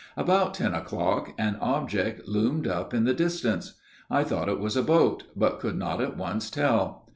About ten o'clock, an object loomed up in the distance. I thought it was a boat, but could not at once tell.